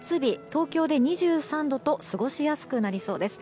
東京で２３度と過ごしやすくなりそうです。